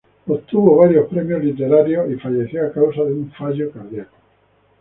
Obtuvo varios premios literarios y falleció a causa de un fallo cardíaco.